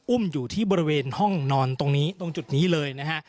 อุ้มอยู่ที่บริเวณห้องนอนตรงนี้ตรงจุดนี้เลยนะฮะ